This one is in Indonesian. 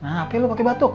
ngapain lu pake batuk